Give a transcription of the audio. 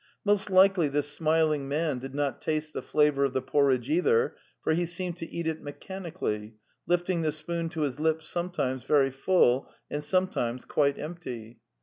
Most likely this smiling man did not taste the flavour of the porridge either, for he seemed to eat it me chanically, lifting the spoon to his lips sometimes very full and sometimes quite empty.